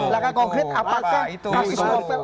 langkah konkret apakah kasus novel